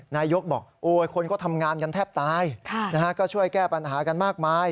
นายกบอกโอ้ยคนก็ทำงานกันแทบตายก็ช่วยแก้ปัญหากันมากมาย